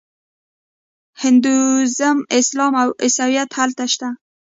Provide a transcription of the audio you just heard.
هندویزم اسلام او عیسویت هلته شته.